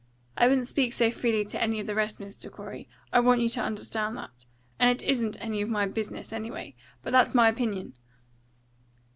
I wouldn't speak so freely to any of the rest, Mr. Corey, I want you to understand that, and it isn't any of my business, anyway; but that's my opinion."